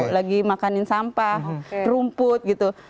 lagi makanin sampah rumput gitu